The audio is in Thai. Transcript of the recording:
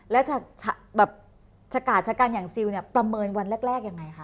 และชะกัดชะกัดอย่างซิลประเมินวันแรกยังไงคะ